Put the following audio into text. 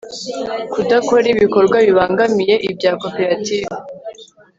kudakora ibikorwa bibangamiye ibya koperative